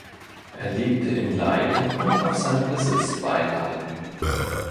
Er lebte in Leyden und auf seinem Besitz bei Leyden.